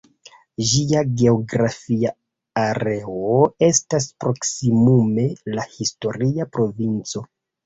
Ĝia geografia areo estas proksimume la historia provinco.